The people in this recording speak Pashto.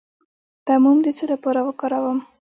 د موم د څه لپاره وکاروم؟